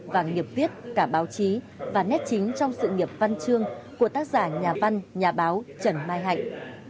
và nghiệp viết cả báo chí và nét chính trong sự nghiệp văn chương của tác giả nhà văn nhà báo trần mai hạnh